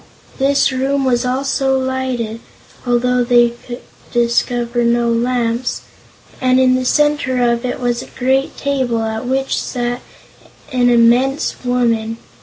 This room was also lighted, although they could discover no lamps, and in the center of it was a great table at which sat an immense woman.